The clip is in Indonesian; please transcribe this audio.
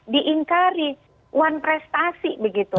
diingkari one prestasi begitu